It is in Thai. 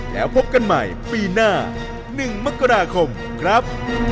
แล้วพบกันใหม่ปีหน้า๑มกราคมครับ